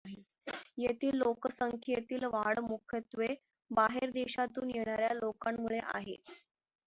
येथील लोकसंख्येतील वाढ मुख्यत्वे बाहेरदेशातून येणाऱ्या लोकांमुळे आहे.